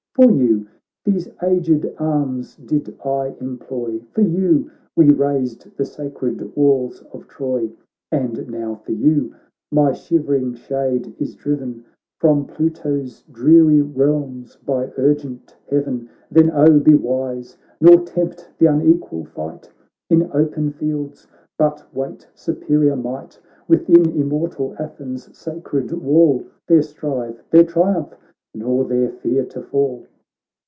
BOOK I ' For you, these aged arms did I employ, For you, we razed the sacred walls of Troy, And now for you my shivering shade is driven From Pluto's dreary realms by urgent heaven ; Then oh, be wise, nor tempt th' unequal fight In open fields, but wait superior might Within immortal Athens' sacred wall ; There strive, there triumph, nor there fear to fall